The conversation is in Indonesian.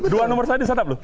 dua nomor tadi disatap lu